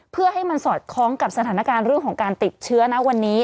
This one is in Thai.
เพื่อให้มันสอดคล้องกับสถานการณ์เรื่องของการติดเชื้อนะวันนี้